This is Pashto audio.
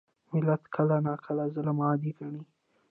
ملت کله ناکله ظالم عادي ګڼي.